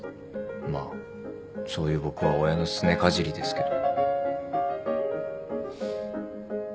まあそういう僕は親のすねかじりですけど。